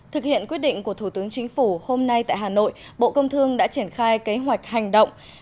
thực hiện quyết định của thủ tướng chính phủ hôm nay tại hà nội bộ công thương đã triển khai kế hoạch hành động